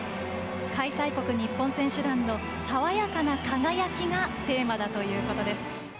開催国、日本選手団の爽やかな輝きがテーマだということです。